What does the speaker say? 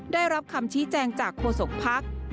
ได้รับคำชี้แจงจากโฆษกภักดิ์